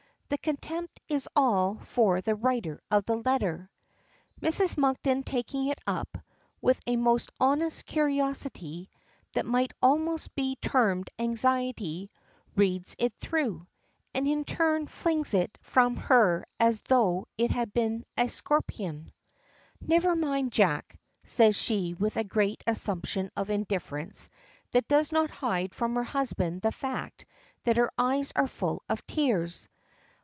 The contempt is all for the writer of the letter. Mrs. Monkton taking it up, with a most honest curiosity, that might almost be termed anxiety, reads it through, and in turn flings it from her as though it had been a scorpion. "Never mind, Jack!" says she with a great assumption of indifference that does not hide from her husband the fact that her eyes are full of tears.